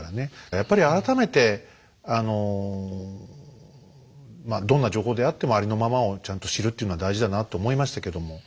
やっぱり改めてあのどんな情報であってもありのままをちゃんと知るっていうのは大事だなと思いましたけども。